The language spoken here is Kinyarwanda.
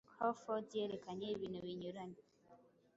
Crawford yerekanye ibintu binyuranye